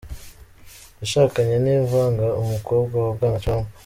Yashakanye na Ivanka, umukobwa wa Bwana Trump.